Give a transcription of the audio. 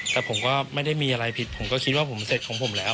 แต่ผมก็ไม่ได้มีอะไรผิดผมก็คิดว่าผมเสร็จของผมแล้ว